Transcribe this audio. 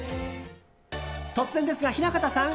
突然ですが、雛形さん。